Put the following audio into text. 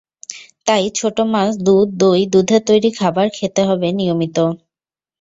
তাই ছোট মাছ, দুধ, দই, দুধের তৈরি খাবার খেতে হবে নিয়মিত।